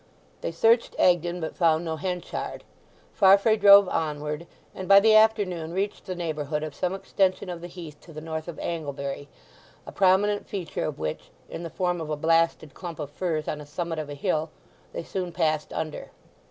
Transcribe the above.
They searched Egdon, but found no Henchard. Farfrae drove onward, and by the afternoon reached the neighbourhood of some extension of the heath to the north of Anglebury, a prominent feature of which, in the form of a blasted clump of firs on a summit of a hill, they soon passed under.